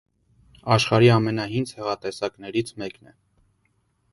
Աշխարհի ամենահին ցեղատեսակներից մեկն է։